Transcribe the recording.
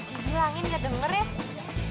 dibilangin gak denger ya